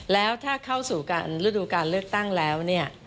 แล้วถ้าเข้าสู่การฤดูการเลือกตั้งแล้วเนี่ย